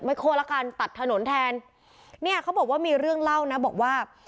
โคตรละกันตัดถนนแทนเนี่ยเขาบอกว่ามีเรื่องเล่านะบอกว่า